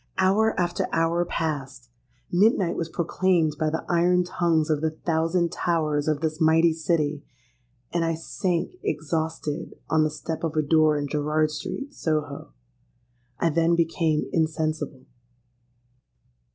Hour after hour passed: midnight was proclaimed by the iron tongues of the thousand towers of this mighty city;—and I sank exhausted on the step of a door in Gerrard Street, Soho. I then became insensible.